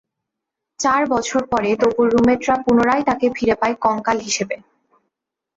চার বছর পরে তপুর রুমমেটরা পুনরায় তাকে ফিরে পায় কঙ্কাল হিসেবে।